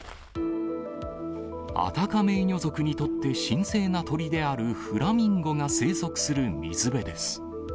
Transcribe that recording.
アタカメーニョ族にとって神聖な鳥であるフラミンゴが生息する水辺です。